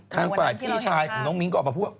ทางฝ่ายพี่ชายของน้องมิ้งก็ออกมาพูดว่า